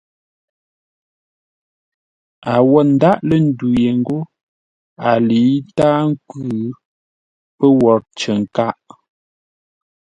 A wô ndáʼ lə́ ndu ye ńgó a lə̌i ntáa nkwʉ́, pə́ wo cər nkâʼ.